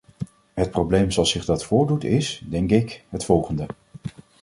Het probleem zoals zich dat voordoet is, denk ik, het volgende.